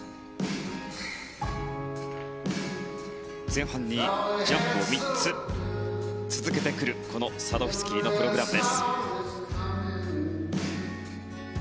前半にジャンプを３つ続けてくるサドフスキーのプログラム。